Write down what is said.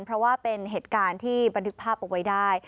เพราะว่าเป็นเหตุการณ์ที่บันทึกภาพเอาไว้ได้